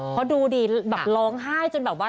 เพราะดูดิแบบร้องไห้จนแบบว่า